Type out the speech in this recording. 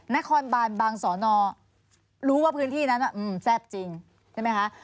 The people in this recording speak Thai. นครบานบางสอนอรู้ว่าพื้นที่นั้นแซ่บจริงใช่ไหมคะ